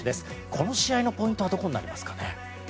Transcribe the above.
この試合のポイントはどこですか？